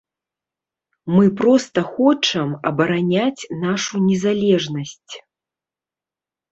Мы проста хочам абараняць нашу незалежнасць.